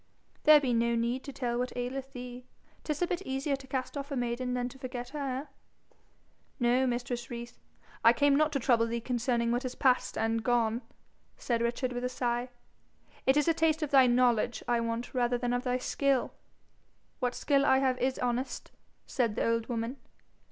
There be no need to tell what aileth thee. 'Tis a bit easier to cast off a maiden than to forget her eh?' 'No, mistress Rees. I came not to trouble thee concerning what is past and gone,' said Richard with a sigh. 'It is a taste of thy knowledge I want rather than of thy skill.' 'What skill I have is honest,' said the old woman.